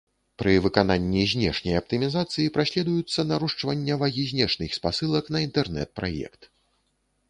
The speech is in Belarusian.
Пры выкананні знешняй аптымізацыі праследуюцца нарошчвання вагі знешніх спасылак на інтэрнэт-праект.